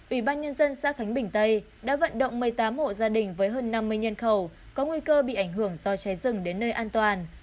ủy ban nhân dân xã khánh bình tây đã vận động một mươi tám hộ gia đình với hơn năm mươi nhân khẩu có nguy cơ bị ảnh hưởng do cháy rừng đến nơi an toàn